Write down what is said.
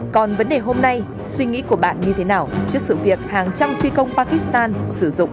còn vấn đề hôm nay suy nghĩ của bạn như thế nào trước sự việc hàng trăm phi công pakistan sử dụng